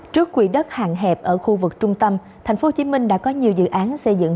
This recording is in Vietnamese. trước quỹ đất hàng hẹp ở khu vực trung tâm tp hcm đã có nhiều dự án xây dựng